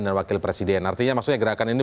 dan wakil presiden artinya maksudnya gerakan ini